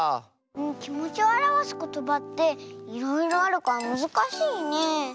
きもちをあらわすことばっていろいろあるからむずかしいね。